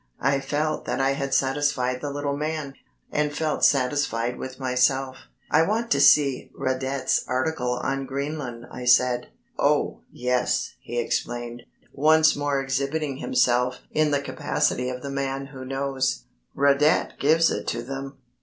I felt that I had satisfied the little man, and felt satisfied with myself. "I want to see Radet's article on Greenland," I said. "Oh, yes," he explained, once more exhibiting himself in the capacity of the man who knows, "Radet gives it to them.